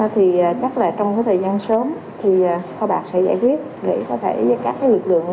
thì chắc là trong thời gian sớm thì kho bạc sẽ giải quyết để có thể các lực lượng